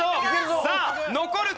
さあ残るか？